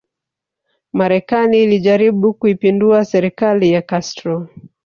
Marekani ilijaribu kuipindua serikali ya Castro